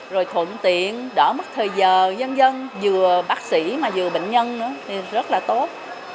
rồi thuận tiện đỡ mất thời giờ dân dân vừa bác sĩ mà vừa bệnh nhân rất là tốt